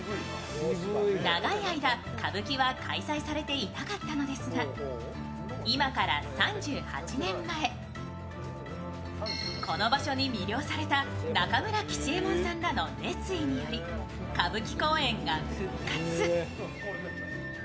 長い間、歌舞伎は開催されていなかったのですが、今から３８年前、この場所に魅了された中村吉右衛門さんらの熱意により、歌舞伎公演が復活。